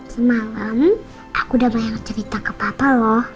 semalam aku udah banyak cerita ke papa loh